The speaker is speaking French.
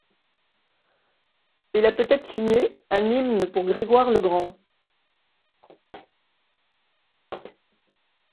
Il a peut-être signé un hymne pour Gregoire le Grand.